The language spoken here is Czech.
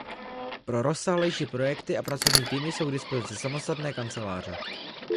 Pro rozsáhlejší projekty a pracovní týmy jsou k dispozici samostatné kanceláře.